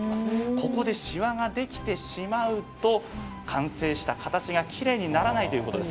ここで、しわができてしまうと完成した形がきれいにならないということです。